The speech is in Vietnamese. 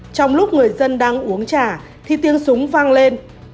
trong lúc người dân đang uống trà thì tiếng súng vang lên